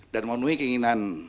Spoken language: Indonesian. dan menunjukkan keinginan